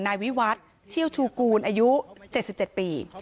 นายวิวัฒน์เชี่ยวชูกูลอายุ๗๗ปี